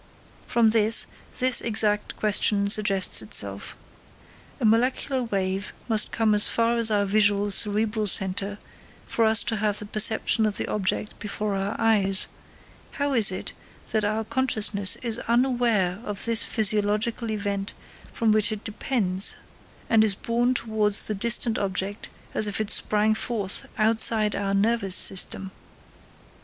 From this, this exact question suggests itself: a molecular wave must come as far as our visual cerebral centre for us to have the perception of the object before our eyes; how is it that our consciousness is unaware of this physiological event from which it depends, and is borne towards the distant object as if it sprang forth outside our nervous system?